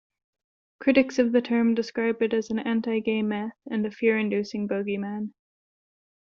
Critics of the term describe it as an anti-gay myth, and a fear-inducing bogeyman.